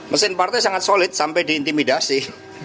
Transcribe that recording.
mesin partai sangat solid sampai diintimidasi